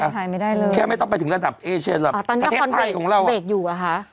ถ่ายไม่ได้เลยแค่ไม่ต้องไปถึงระดับเอเชียนหรอกอ่าตอนนี้คอนเวร์กอยู่หรอคะ